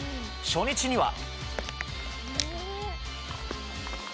初日には。